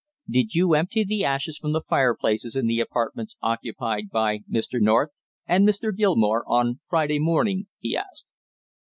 "Did you empty the ashes from the fireplaces in the apartments occupied by Mr. North and Mr. Gilmore on Friday morning?" he asked.